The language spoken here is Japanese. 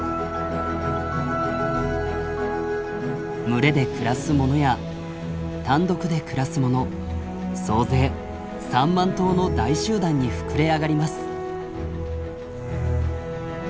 群れで暮らすものや単独で暮らすもの総勢３万頭の大集団に膨れ上がります。